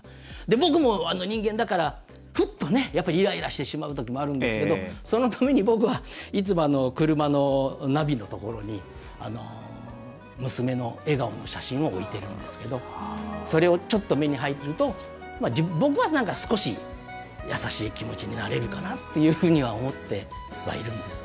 僕も人間だから、ふっとイライラしてしまうときもあるんですけど、そのたびに僕はいつも車のナビのところに娘の笑顔の写真を置いてるんですけどそれをちょっと目に入ると僕はなんか少し優しい気持ちになれるかなっていうふうには思ってはいるんですけど。